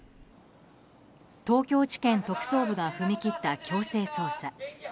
東京地検特捜部が踏み切った強制捜査。